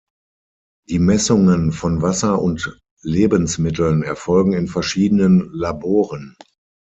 Die Messungen von Wasser und Lebensmitteln erfolgen in verschiedenen Laboren.